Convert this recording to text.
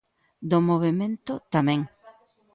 Do movemento, tamén.